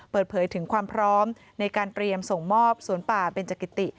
เปิดเผยถึงความพร้อมในการเตรียมส่งมอบสวนป่าเบนจักิติ